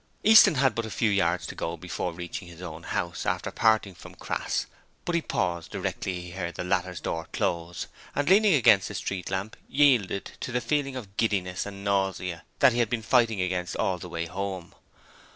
Easton had but a few yards to go before reaching his own house after parting from Crass, but he paused directly he heard the latter's door close, and leaning against a street lamp yielded to the feeling of giddiness and nausea that he had been fighting against all the way home.